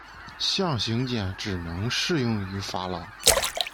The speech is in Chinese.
象形茧只能适用于法老。